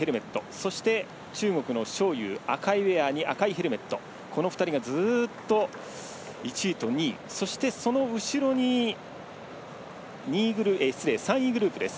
そして、中国の章勇赤いウエアに赤いヘルメット、この２人がずっと１位と２位そして、その後ろに３位グループです。